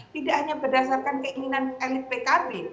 tidak hanya berdasarkan keinginan elit pkb